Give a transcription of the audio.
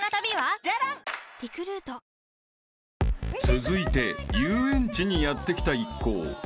［続いて遊園地にやって来た一行］